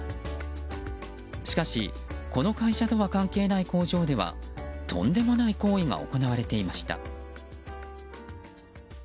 しかし、この会社とは関係ない工場ではとんでもない行為が行われていました。